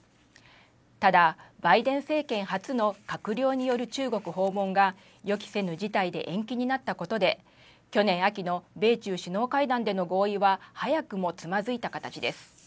ただ、バイデン政権初の閣僚による中国訪問が予期せぬ事態で延期になったことで、去年秋の米中首脳会談での合意は早くもつまずいた形です。